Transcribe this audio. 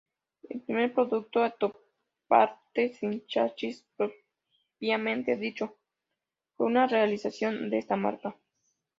El primer producto autoportante, sin chasis propiamente dicho, fue una realización de esta marca.